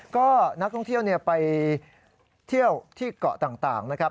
ก็นักท่องเที่ยวไปเที่ยวที่เกาะต่างนะครับ